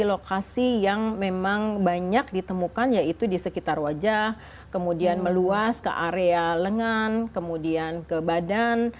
lokasi yang memang banyak ditemukan yaitu di sekitar wajah kemudian meluas ke area lengan kemudian ke badan